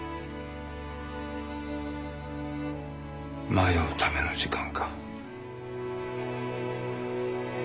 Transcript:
迷うための時間か。